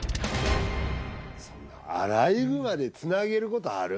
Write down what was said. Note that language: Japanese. そんなアライグマでつなげることある？